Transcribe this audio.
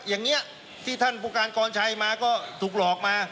อย่างนี้ที่ท่านผู้การกรชัยมาก็ถูกหลอกมา